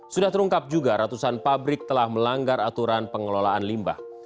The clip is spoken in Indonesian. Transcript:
sudah terungkap juga ratusan pabrik telah melanggar aturan pengelolaan limbah